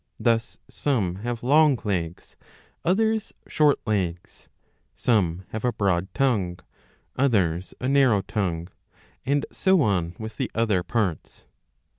Thus some have long legs, others short legs ; some have a broad tongue, others a narrow tongue ; and so on with the other parts.